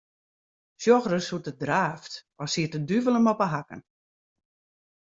Sjoch ris hoe't er draaft, as siet de duvel him op 'e hakken.